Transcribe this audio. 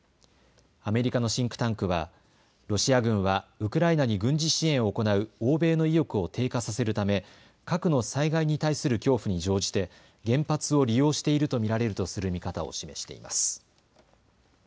アメリカのシンクタンクはロシア軍はウクライナに軍事支援を行う欧米の意欲を低下させるため核の災害に対する恐怖に乗じて原発を利用していると見られるとする見方を示しています。